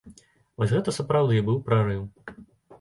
Вось гэта сапраўды быў прарыў.